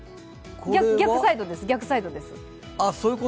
逆サイドです、逆サイド。